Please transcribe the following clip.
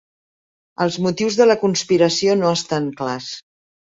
Els motius de la conspiració no estan clars.